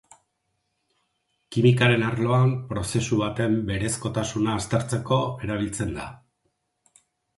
Kimikaren arloan prozesu baten berezkotasuna aztertzeko erabiltzen da.